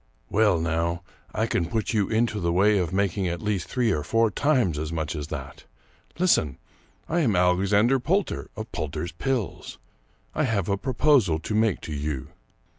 " Well, now, I can put you into the way of making at least three or four times as much as that. Listen ! I am Alexander Poulter, of Poulter's Pills. I have a proposal to make to you.